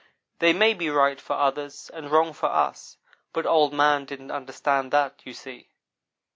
They may be right for others, and wrong for us, but Old man didn't understand that, you see.